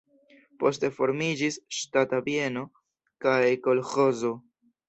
Poste formiĝis ŝtata bieno kaj kolĥozo.